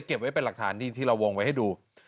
เก็บไว้เป็นหลักฐานนี่ที่เราวงไว้ให้ดู